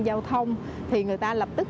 giao thông thì người ta lập tức